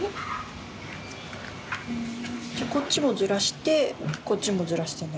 こっちをずらしてこっちもずらして。